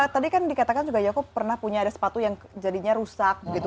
tadi kan dikatakan juga ya kok pernah punya ada sepatu yang jadinya rusak gitu